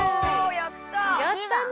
やったね！